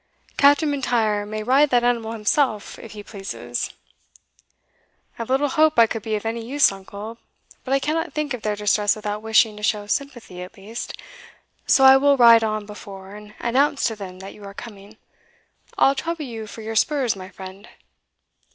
Captain M'Intyre may ride that animal himself, if he pleases." "I have little hope I could be of any use, uncle, but I cannot think of their distress without wishing to show sympathy at least so I will ride on before, and announce to them that you are coming. I'll trouble you for your spurs, my friend."